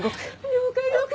了解了解！